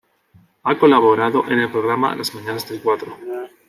Ha colaborado en el programa "Las mañanas de Cuatro".